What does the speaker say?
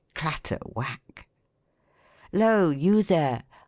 Clatter whack !" Lq you there